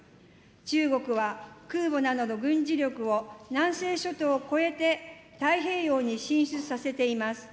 中国は、空母などの軍事力を南西諸島を超えて太平洋に進出させています。